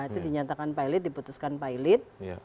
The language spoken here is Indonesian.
itu dinyatakan pilot diputuskan pilot